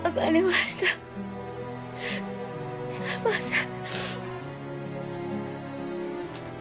すいません。